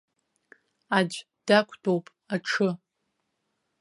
Аӡә дақәтәоуп аҽы.